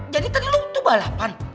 jadi tadi lo tuh balapan